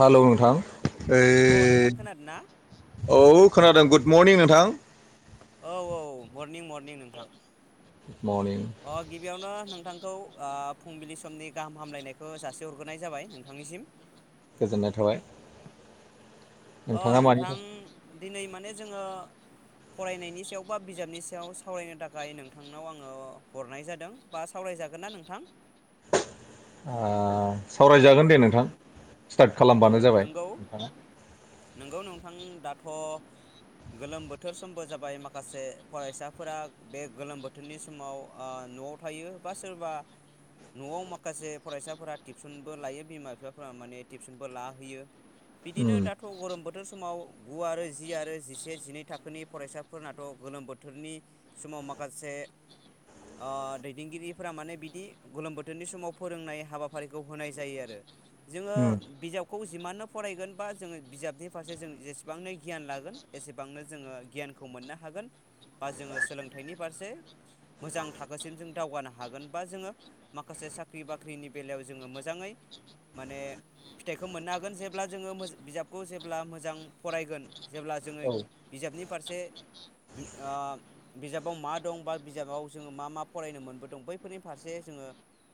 Hello नोंथां [inaudible] औ नोंथां खोनादों ना? ओइ औ खोनादों गुड मरनिं नोंथां औ औ मरनिं मरनिं नोंथां मरनिं अ गिबियावनो नोंथ थांखौ ओ फुंबिलि समनि गाहाम हामलायनायखौ जासे हरग्रोनाय जाबाय नोंथांनिसिम गोजोननाय थाबाय अ नोंथाङा मानि ओ नोंथां दिनै माने जोङो फरायनायनि सायाव बा बिजाबनि सायाव सावरायनो थाखाय नोंथांनाव आङो हरनाय जादों बा सावराय जागोन ना नोंथां आ सावरायजागोन दे नोंथां स्टार्ट औ खालामबानो जाबाय नोंगौ नोंगौ नोंथां दाथ' गोलोम बोथोर समबो जाबाय माखासे फरायसाफोरा बे गोलोम बोथोरनि समाव ओ न'आव थायो बा सोरबा न'आव माखासे फरायसाफोरा टिउसनबो लायो बिमा बिफाफोरा माने टिउसनबो लाहोयो बिदिनो उम उम दा थ' गर'म बोथोर समाव गु आरो जि आरो जिसे जिनै थाखोनि फरायसाफोरनाथ' गोलोम बोथोरनि समाव माखासे ओ दैदेनगिरिफोरा माने बिदि गोलोम बोथोरनि समाव फोरोंनाय हाबाफारिखौ होनाय जायो आरो जोङो बिजाबखौ जिमाननो फरायगोन बा जोङो बिजाबनि फारसे जों जेसेबांनो गियान लागोन एसेबांनो जोङो गियानखौ मोननो हागोन बा जोङो सोलोंथाइनि फारसे मोजां थाखोसिम जों दावगानो हागोन बा जोङो माखासे साख्रि बाख्रिनि बेलायाव जोङो मोजाङै माने फिथाइखौ मोननो हागोन जेब्ला जोङो मोज बिजाब खौ जेब्ला मोजां फरायगोन जेब्ला जोङो औ बिजाबनि फारसे बि ओ बिजाबाव मा दं बा बिजाबाव जोङो मा मा फरायनो मोनबोदों बैफोरनि फारसे जों जोङो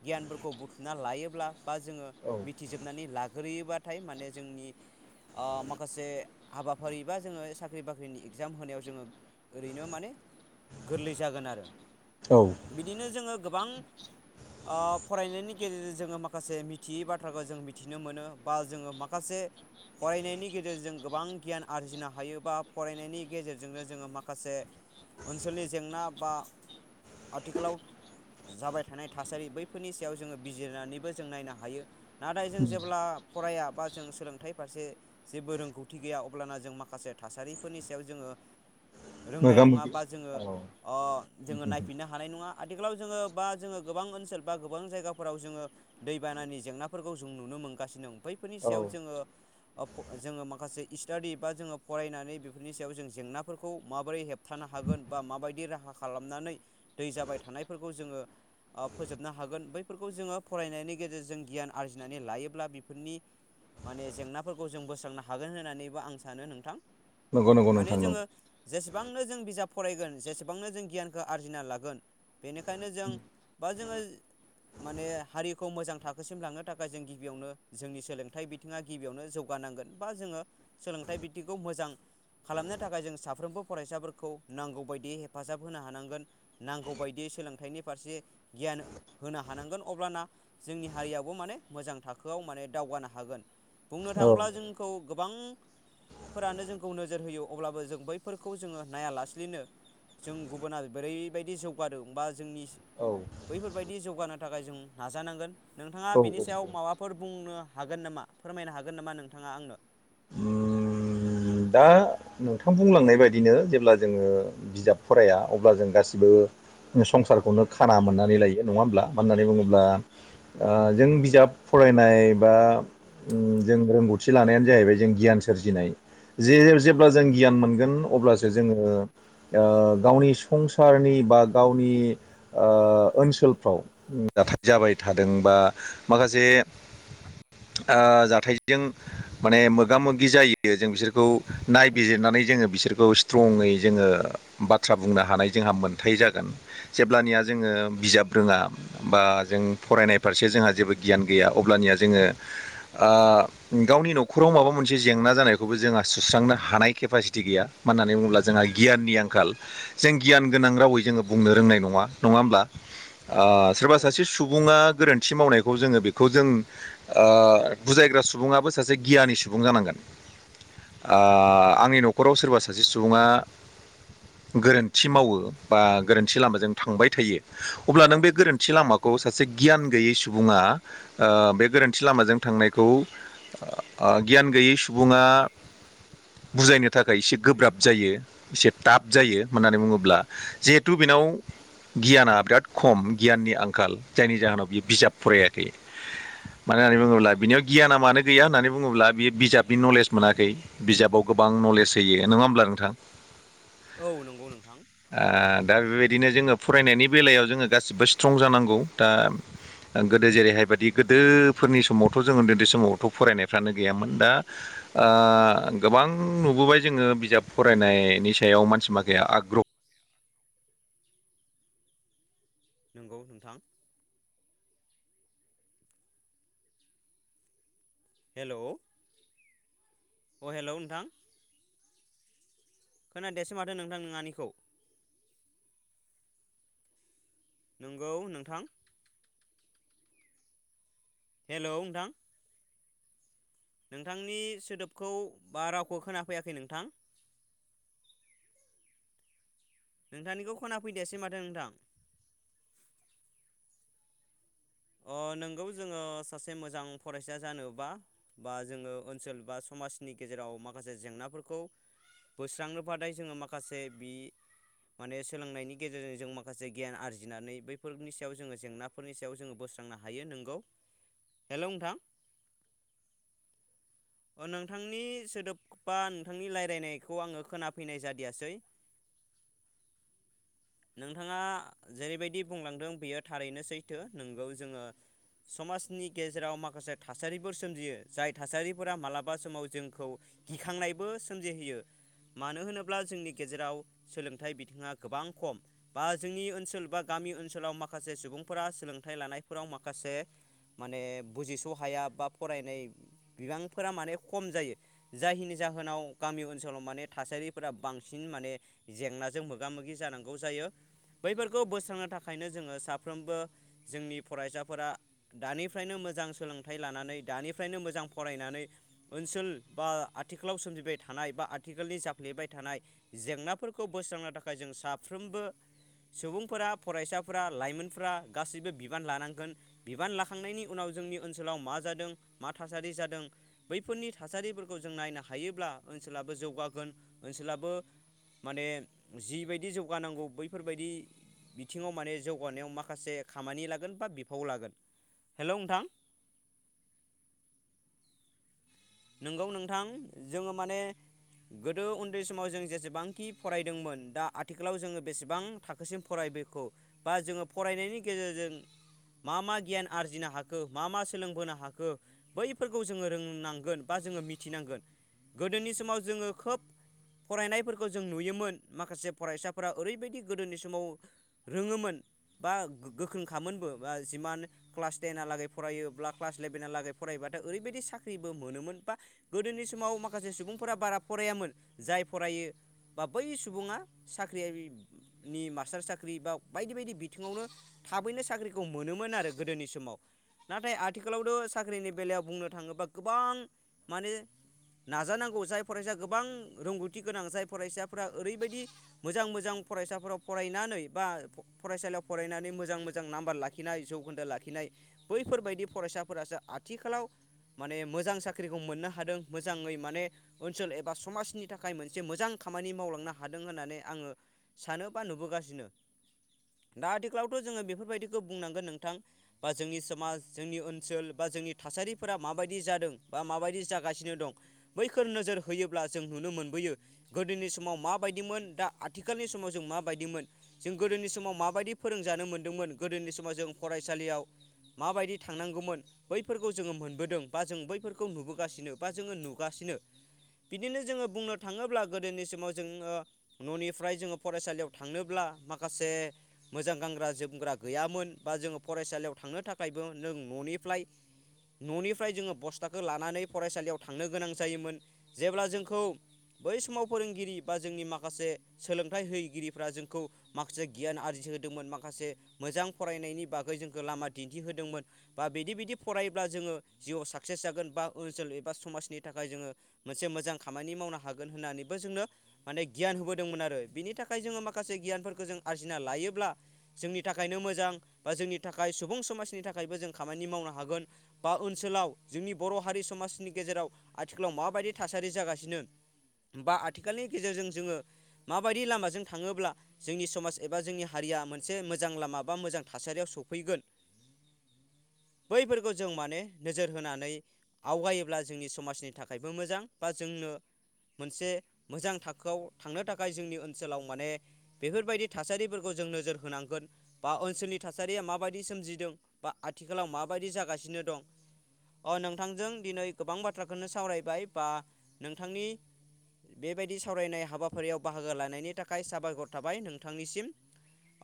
गियानफोरखौ बुथुमना लायोब्ला बा जोङो औ मिथिजोबनानै लाग्रोयोबाथाय माने जोंनि ओ माखासे हाबाफारि बा जोङो साख्रि बाख्रिनि इगजाम होनायाव जोङो ओरैनो माने गोरलै जागोन आरो औ बिदिनो जोङो गोबां ओ फरायनायनि गेजेरजों जोङो माखासे मिथियै बाथ्राखौ जों मिथिनो मोनो बा जोङो माखासे से फरायनायनि गेजेरजों गोबां गियान आरजिनो हायो बा फरायनायनि गेजेरजोंनो जोङो माखासे ओनसोलनि जेंना बा आथिखालाव जाबाय थानाय थासारि बैफोरनि सायाव जोङो बिजिरनानैबो जों नायनो हायो नाथाय जों जेब्ला फराया बा जों सोलोंथाइ फारसे जेबो रोंगौथि गैया अब्लाना जों माखासे थासारिफोरनि सायाव जोङो रोंनाय मोगा नङा मोगि बा जोङो औ अ जोङो नायफिननो हानाय नङा आथिखालाव जोङो बा जोङो गोबां ओनसोल बा गोबां जायगाफोराव जोङो दैबानानि जेंनाफोरखौ जों नुनो मोनगासिनो दं बैफोरनि औ सायाव जोङो ओ फ जोङो माखासे स्टाडि बा जोङो फरायनानै बेफोरनि सायाव जों जेंनाफोरखौ माबोरै हेबथानो हा हागोन बा माबायदि राहा खालामनानै दै जाबाय थानायफोरखौ जोङो ओ फोजोबनो हागोन बैफोरखौ जोङो फरायनायनि गेजेरजों गियान आरजिनानै लायोब्ला बेफोरनि माने जेंनाफोरखौ जों बोस्रांनो हागोन होननानैबो आं सानो नोंथां नंगौ नंगौ माने नोंथां नं जोङो जेसेबांनो जों बिजाब फरायगोन जेसेबांनो जों गियानखौ आरजिना लागोन बेनिखायनो जों बा जोङो माने हारिखौ मोजां थाखोसिम लांनो थाखाय जों गिबियावनो जोंनि सोलोंथाइ बिथिङा गिबियावनो जौगानांगोन बा जोङो सोलोंथाइ बिथिंखौ मोजां खालामनो थाखाय जों साफ्रोमबो फरायसाफोरखौ नांगौ बायदि हेफाजाब होनो हानांगोन नांगौ बायदि सोलोंथाइनि फारसे गियान होनो हानांगोन अब्लाना जोंनि हारियाबो माने मोजां थाखो आव माने दावगानो हागोन बुंनो औ थाङोब्ला जोंखौ गोबां फोरानो जोंखौ नोजोर होयो अब्लाबो जों बैफोरखौ जोङो नायालासेैनो जों गुबुना बोरैबायदि जौगादों बा जोंनि बैफोरबायदि जौगानो थाखाय जों नाजानांगोन। नोंथाङा औ बेनि सायाव माबाफोर बुंनो हागोन नामा फोरमायनो हा गोन नामा नोंथाङा आंनो। उम दा नोंथां बुंलांनाय बायदिनो जेब्ला जोङो बिजाब फराया अब्ला जों गासिबो संसारखौनो खाना मोननानै लायो नङा होमब्ला मानो होननानै बुङोब्ला ओ जों बिजाब फ फरायनाय बा उम जों रोंगौथि लानायानो जाहैबाय जों गियान सोरजिनाय। जे जेब्ला जों गियान मोनगोन अब्लासो जोङो ओ गावनि संसार नि बा गावनि ओ ओनसोलफ्राव जाथाय जाबाय थादों बा माखासे [inaudible] ओ जाथायजों माने मोगा मोगि जायो। जों बिसोरखौ नायबिजिरनानै जोङो बिसोरखौ स्ट्रङै जोङो बाथ्रा बुंनो हानाय [unintelligible] जोंहा मोनथाय जागोन जेब्लानिया जोङो बिजाब रोङा बा जों फरायनाय फारसे जों जोंहा जेबो गियन गैया अब्लानिया जोङो ओ गावनि न'खराव माबा मोनसे जेंना जानायखौबो जोंहा सुस्रांनो हानाय केपासिटी गैया मानो होन्नानै बुङोब्ला जोंहा गियान नि आंखाल जों गियान [unintelligible] गोनां रावै जोङो बुंनो रोंनाय नङा नङा होमब्ला ओ औ सोरबा सासे सुबुङा गोरोन्थि मावनायखौ जोङो बेखौ जों आ आंनि न'खराव सोरबा सासे सुबुङा गोरोन्थि मावो बा गोरोन्थि लामाजों थांबाय थायो अब्ला नों बे गोरोन्थि लामाखौ सासे गियान गैयै सुबुंआ ओ बे गोरोन्थि लामाजों थांनायखौ ओ गियान गैयै सुबुङा बुजायनो थाखाय एसे गोब्राब जायो एसे टाब जायो होननानै बुङोब्ला जिहेथु बे नाव गियाना बिराद खम गियाननि आंखाल जायनि जाहोनाव बियो बिजाब फरायाखै। मानो होननानै बुङोब्ला बिनियाव गियाना मानो गैया होननानै बुङोब्ला बियो बिजाब बि नलेज मोनाखै बिजाबाव गोबां नलेज होयो नङा होमब्ला नोंथां? औ नंगौ नोंथां। ओ दा बेबायदिनो जोङो फरायनायनि बेलायाव जोङो गासिबो स्ट्रं जानांगौ दा ओ गोदो जेरैहाय बायि गोदोफोरनि समावथ' जों ओन्दै ओन्दै समावथ' फरायनायफ्रानो गैयामोन दा ओ गोबां नुबोबाय जोङो बिजाब फरायनायनि सायाव मानसि माखाया आग [unintelligible] नंगौ नोंथां। हेलौ अ हेलौ नोंथां। खोनादियासै माथो नोंथां नोंआनिखौ नंगौ नोंथां। हेलौ नोंथां। नोंथांनि सोदोबखौ बा रावखौ खोनाफैयाखै नोंथां। [inaudible] नोंथांनिखौ खोना फैदियासै माथो नोंथां अ नोंगौ जोङो सासे मोजां फरायसा जानोबा बा जोङो ओनसोल बा समाजनि गेजे राव माखासे जेंनाफोरखौ बोस्रांनो बाथाय जोङो माखासे बि माने सोलोंनायनि गेजेरजों जों माखासे गियान आरजिनानै बैफोरनि सायाव जोङो जेंनाफोरनि सायाव जोङो बोस्रांनो हायो नोंगौ हेलौ नोंथां अ नोंथांनि सोदोब बा नोंथांनि रायलायनायखौ आङो खोनाफैनाय जादियासै। [inaudible] नोंथाङा जेरैबायदि बुंलांदों बियो थारैनो सैथो नोंगौ जोङो समाजनि गेजेराव माखासे थासारिफोर सोमजियो जाय थासारिफोरा मालाबा समाव जोंखौ गिखांनायबो सोमजिहोयो। मानो होनोब्ला जोंनि गेजेराव सोलोंथाइ बिथिङा गोबां खम बा जोंनि ओनसोल बा गामि ओनसोलाव माखासे सुबुंफोरा सोलोंथाइ लानायफोराव माखासे माने बुजिस' हाया बा फरायनाय बिबांफोरा माने खम जायो जायिनि जाहोनाव गामि ओनसोलाव माने थासारिफोरा बांसिन माने जेंनाजों मोगा मोगि जानां गौ जायो। बैफोरखौ बोस्रांनो थाखायनो जोङो साफ्रोमबो जोंनि फरायसाफोरा दानिफ्रायनो मोजां सोलोंथाइ लानानै दानिफ्रायनो मोजां फरायनानै ओनसोल बा आथिखालाव सोमजिबाय थानाय बा आथिखालनि जाफ्लेबाय थानाय जेंनाफोरखौ बोस्रांनो थाखाय जों साफ्रोमबो सुबुंफोरा फरायसाफोरा लाइमोनफोरा गासैबो बिबान लानांगोन बिबान लाखांनायनि उनाव जोंनि ओनसोलाव मा जादों मा थासारि जादों बैफोरनि थासारिफोरखौ जों नायनो हायोब्ला ओनसोलाबो जौगागोन ओनसोलाबो माने जिबायदि जौ गानांगौ बैफोरबायदि बिथिङाव माने जौगानायाव माखासे खामानि लागोन बा बिफाव लागोन। हेलौ नोंथां। नोंगौ नोंथां जोङो माने गोदो उन्दै समाव जों जेसेबांखि फरायदोंमोन दा आथिखालाव जोङो बेसेबां थाखोसिम फराय बेखौ बा जोङो फरायनायनि गेजेरजों मा मा गियान आरजिनो हाखो मा मा सोलोंबोनो हाखो बैफोरखौ जोङो रोंनांगोन। बा जोङो मिथिनांगोन गोदोनि समाव जोङो खोब फरायनायफोरखौ जों नुयोमोन माखासे फरायसाफोरा ओरैबायदि गोदोनि समाव रोङोमोन। बा गोख्रोंखामोनबो बा जिमान क्लास टेेनलागै फरायोब्ला क्लास इलेभेनालागै फरायबा नाथाय ओरैबायदि साख्रिबो मोनोमोन। बा गोदोनि समाव माखासे सुबुंफोरा बारा फरायामोन, जाय फरायो बा बै सुबुङा साख्रिनि मास्टार साख्रि बा बायदि बायदि बिथिङावनो थाबैनो साख्रिखौ मोनोमोन आरो गोदोनि समाव। नाथाय आथिखालावथ' साख्रिनि बेलायाव बुंनो थाङोबा गोबां माने नाजानांगौ जाय फरायसााया गोबां रोंगौथि गोनां जाय फरायसाफोरा ओरैबायदि मोजां मोजां फरायसाफोराव फरायनानै बा फरायसालियाव फरायनानै मोजां मोजां नाम्बार लाखिनाय जौखोन्दो लाखिनाय बैफोरबायदि फरायसाफोरासो आथिखालाव माने मोजां सा ख्रिखौ मोननो हादों मोजाङै माने ओनसोल एबा समाजनि थाखाय मोनसे मोजां खामानि मावलांनो हादों। होननानै आङो सानो बा नुबोगासिनो। दा आथिखालावथ' जोङो बेफोरबायदिखौ बुंनांगोन नोंथां बा जोंनि समाज जोंनि ओनसोल बा जोंनि थासारिफोरा माबायदि जादों। बा माबायदि जागासिनो दं बैखोर नोजोर होयोब्ला जों नुनो मोनबोयो गोदोनि समाव मा बाय दिमोन दा आथिखालनि समाव जों मा बायदिमोन जों गोदोनि समाव माबायदि फोरोंजानो मोनदोंमोन गोदोनि समाव जों फरायसालियाव माबायदि थांनांगौमोन बैफोरखौ जोङो मोनबोदों बा जों बैफोर खौ नुबोगासिनो बा जोङो नुगासिनो। बिदिनो जोङो बुंनो थाङोब्ला गोदोनि समाव जोङो न'निफ्राय जोङो फरायसालियाव थांनोब्ला माखासे मोजां गानग्रा जोमग्रा गैयामोन बा जोङो फरायसालियाव थांनो थाखायबो नों ननिफ्लाय ननिफ्राय जोङो बस्थ थाखो लानानै फरायसालियाव थांनो गोनां जायोमोन जेब्ला जोंखौ बै समाव फोरोंगिरि बा जोंनि माखासे सोलोंथाइ होगिरिफ्रा जोंखौ माखासे गियान आरजि होदोंमोन माखासे मोजां फरायनायनि बागै जोंखो लामा दिन्थि होदोंमोन बा बिदि बिदि फरायब्ला जोङो जिउआव साक सेस जागोन बा ओनसोल एबा समाजनि थाखाय जोङो मोनसे मोजां खामानि मावनो हागोन होननानैबो जोंनो माने गियान होबोदोंमोन आरो बिनि थाखाय जोङो माखासे गियानफोरखो जों आरजिना लायोब्ला जोंनि थाखाय खायनो मोजां बा जोंनि थाखाय सुबुं समाजनि थाखायबो जों खामानि मावनो हागोन बा ओनसोलाव जोंनि बर' हारि समाजनि गेजेराव आथिखालाव माबायदि थासारि जागासिनो बा आथिखालनि गेजेरजों जोङो माबायदि लामाजों थाङोब्ला जोंनि समाज एबा जोंनि हारिया मोनसे मोजां लामा बा मोजां थासारियाव सफैगोन बैफोरखौ जों माने नोजोर होनानै आवगायोब्ला जोंनि समाजनि थाखायबो मोजां बा जोंनो मोनसे मोजां थाखोआव थांनो थाखाय जोंनि ओनसोलाव माने बेफोरबायदि थासारिफोरखौ जों नोजोर होनांगोन बा ओनसोलनि थासारिया माबायदि सोमजिदों बा आथिखालाव माबायदि जागासि नो दं अ नोंथांजों दिनै गोबां बाथ्राखोनो सावरायबाय बा नोंथांनि बेबायदि सावरायनाय हाबाफारियाव बाहागो लानायनि थाखाय साबायखर थाबाय नोंथांनिसिम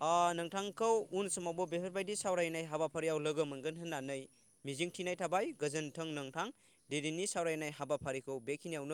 अ नोंथांखौ उन समावबो बेफोरबायदि सावरायनाय हाबाफारियाव लोगो मोनगोन होननानै मिजिंथिनाय थाबाय गोजोन्थों नोंथां दिनैनि सावरायनाय हाबाफारिखौ बेखिनियावनो